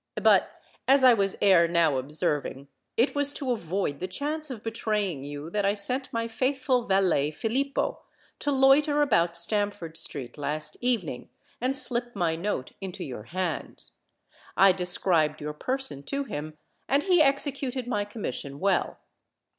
But, as I was ere now observing, it was to avoid the chance of betraying you that I sent my faithful valet, Filippo, to loiter about Stamford Street last evening, and slip my note into your hands. I described your person to him—and he executed my commission well."